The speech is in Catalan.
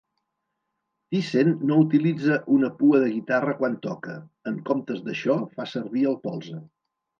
Thiessen no utilitza una pua de guitarra quan toca. En comptes d'això fa servir el polze.